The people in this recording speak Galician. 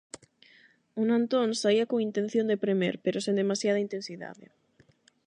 O Nantón saía con intención de premer pero sen demasiada intensidade.